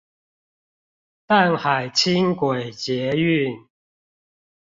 淡海輕軌捷運